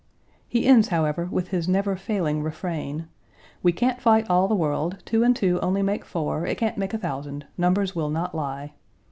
He ends, however, with his never failing refrain: We can't fight all the world; two and two only make four; it can't make a thousand; numbers will not lie.